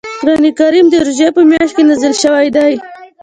قران کریم د روژې په میاشت کې نازل شوی دی .